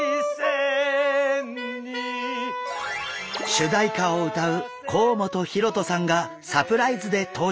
主題歌を歌う甲本ヒロトさんがサプライズで登場。